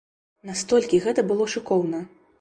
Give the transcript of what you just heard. Настолькі гэта было шыкоўна!